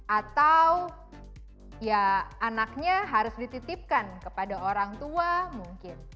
atau ya anaknya harus dititipkan kepada orang tua mungkin